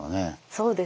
そうですね。